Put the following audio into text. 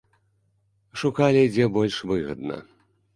Шукалі, дзе больш выгадна.